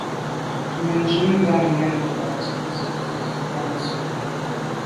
Benntùn bam, nèn dù’ fà’ sobe.